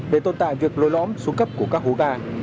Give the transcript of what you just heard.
để tồn tại việc lôi lõm xuống cấp của các hố ga